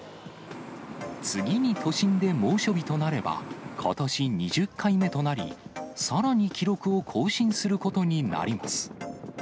次に都心で猛暑日となれば、ことし２０回目となり、さらに記録を更新することになります。